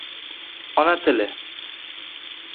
Ona tili